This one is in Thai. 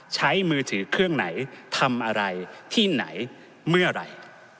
ใช้มือถือเครื่องไหนทำอะไรที่ไหนเมื่อไหร่